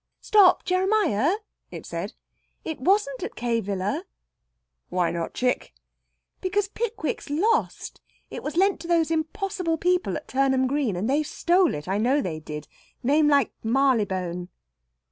"Stop, Jeremiah!" it said. "It wasn't at K. Villa." "Why not, chick?" "Because Pickwick's lost! It was lent to those impossible people at Turnham Green, and they stole it. I know they did. Name like Marylebone."